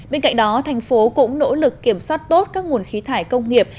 bên cạnh đó tp hcm cũng nỗ lực kiểm soát tốt các nguồn khí thải công nghiệp